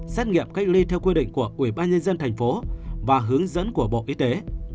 xét nghiệm cách ly theo quy định của ubnd tp và hướng dẫn của bộ y tế